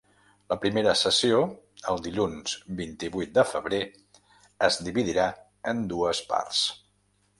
La primera sessió, el dilluns vint-i-vuit de febrer, es dividirà en dues parts.